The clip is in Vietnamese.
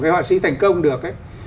cái họa sĩ thành công được